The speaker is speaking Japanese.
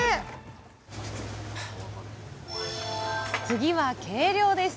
次は計量です。